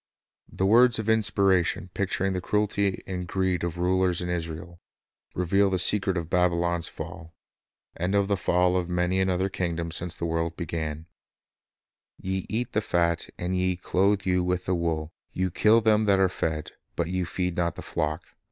The words of Oppressive ..... Power Inspiration picturing the cruelty and greed of rulers in Israel, reveal the secret of Babylon's fall, and of the fall of many another kingdom since the world began : "Ye eat the fat, and ye clothe you with the wool, ye kill them that are fed; but ye feed not the flock.